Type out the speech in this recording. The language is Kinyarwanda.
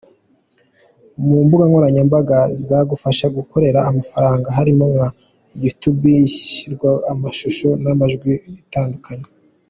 Mu mbuga nkoranyambaga zagufasha gukorera amafaranga harimo nka Youtube, ishyirwaho amashusho n’amajwi atandukanye.